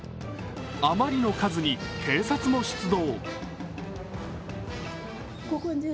あまりの数に警察も出動。